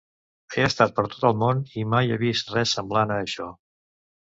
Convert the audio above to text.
He estat per tot el món, i mai he vist res semblant a això.